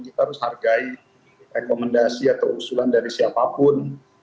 kita harus hargai rekomendasi atau usulan dari siapapun